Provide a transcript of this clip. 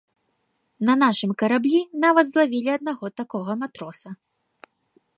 На нашым караблі нават злавілі аднаго такога матроса.